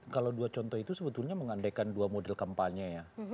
kalau dua contoh itu sebetulnya mengandaikan dua model kampanye ya